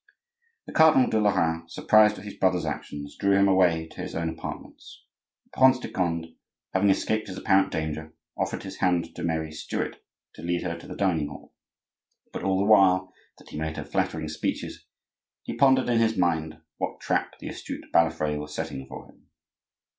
The Cardinal de Lorraine, surprised at his brother's action, drew him away to his own apartments. The Prince de Conde, having escaped his apparent danger, offered his hand to Mary Stuart to lead her to the dining hall; but all the while that he made her flattering speeches he pondered in his mind what trap the astute Balafre was setting for him.